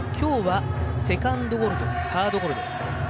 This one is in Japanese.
セカンドゴロとサードゴロです。